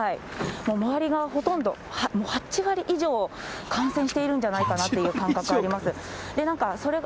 周りがほとんど、８割以上、感染しているんじゃないかなっていう感覚があります。